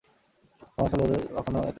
সমস্যা হলো ওদের এখনো একটা সামুরাই আছে।